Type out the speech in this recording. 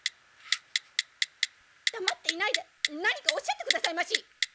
黙っていないで何かおっしゃってくださいまし！